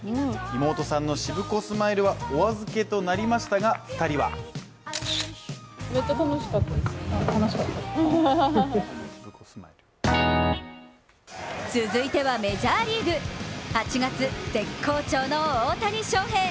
妹さんのしぶこスマイルはお預けとなりましたが２人は続いてはメジャーリーグ８月、絶好調の大谷翔平！